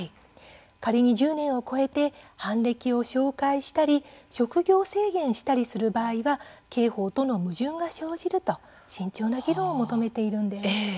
仮に１０年を超えて犯歴を照会したり職業制限したりする場合は刑法との矛盾が生じると慎重な議論を求めています。